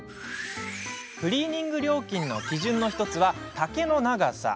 クリーニング料金の基準の１つは丈の長さ。